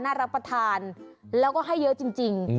รับประทานแล้วก็ให้เยอะจริง